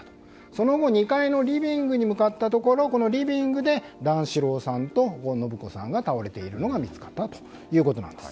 その後２階のリビングに向かったところリビングで段四郎さんと母の延子さんが倒れているのが見つかったということなんです。